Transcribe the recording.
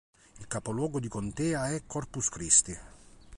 Il capoluogo di contea è Corpus Christi.